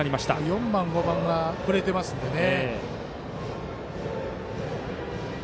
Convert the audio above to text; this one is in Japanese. ４番、５番が振れていますのでね。